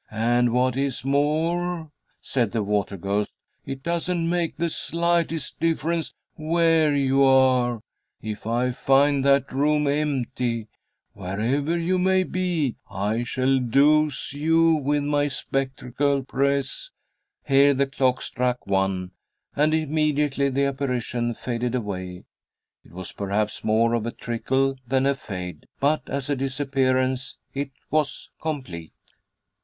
And what is more," said the water ghost, "it doesn't make the slightest difference where you are, if I find that room empty, wherever you may be I shall douse you with my spectral pres " Here the clock struck one, and immediately the apparition faded away. It was perhaps more of a trickle than a fade, but as a disappearance it was complete.